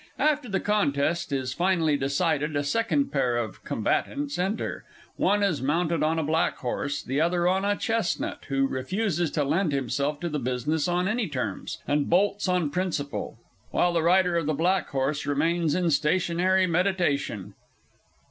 After the contest is finally decided, a second pair of Combatants_ _enter; one is mounted on a black horse, the other on a chestnut, who refuses to lend himself to the business on any terms, and bolts on principle; while the rider of the black horse remains in stationary meditation.